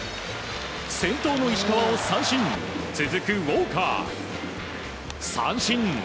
先頭の石川を三振続くウォーカー三振！